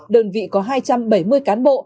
đơn vị có hai trăm bảy mươi cán bộ